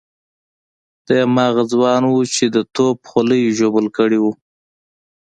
دی هماغه ځوان وو چې د توپ خولۍ ژوبل کړی وو.